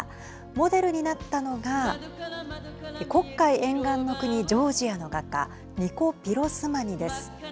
モデルになったのが黒海沿岸の国、ジョージアの画家ニコ・ピロスマニです。